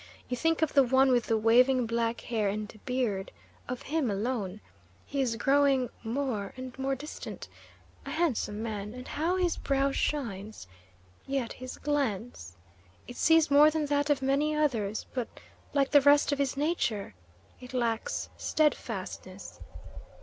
You think of the one with the waving black hair and beard of him alone. He is growing more and more distinct a handsome man, and how his brow shines! Yet his glance it sees more than that of many others, but, like the rest of his nature, it lacks steadfastness."